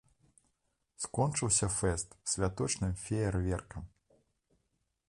Скончыўся фэст святочным феерверкам.